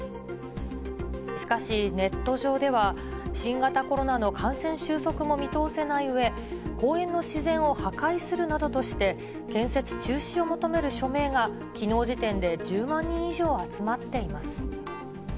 しかし、ネット上では、新型コロナの感染収束も見通せないうえ、公園の自然を破壊するなどとして、建設中止を求める署名がきのう時点で１０万人以上集まっています。